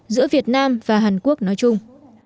giữa việt nam và hàn quốc nói chung